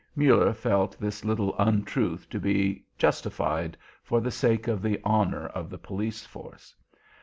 Muller felt this little untruth to be justified for the sake of the honour of the police force.